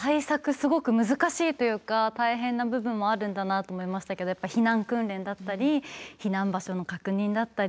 すごく難しいというか大変な部分もあるんだなと思いましたけどやっぱ避難訓練だったり避難場所の確認だったり。